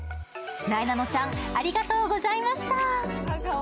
なえなのちゃん、ありがとうございました。